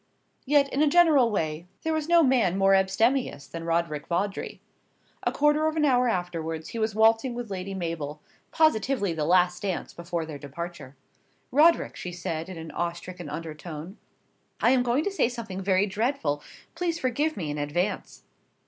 Yet, in a general way, there was no man more abstemious than Roderick Vawdrey. A quarter of an hour afterwards he was waltzing with Lady Mabel positively the last dance before their departure. "Roderick," she said in an awe stricken undertone, "I am going to say something very dreadful. Please forgive me in advance."